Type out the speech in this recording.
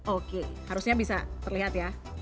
oke harusnya bisa terlihat ya